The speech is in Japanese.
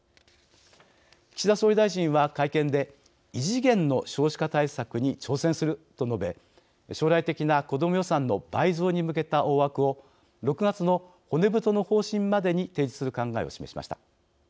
岸田総理大臣は会見で異次元の少子化対策に挑戦すると述べ、将来的なこども予算の倍増に向けた大枠を６月の骨太の方針までに提示する考えを示しました。